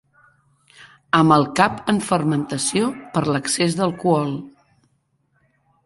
Amb el cap en fermentació per l'excés d'alcohol.